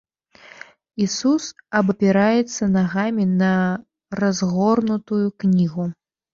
Ісус абапіраецца нагамі на разгорнутую кнігу.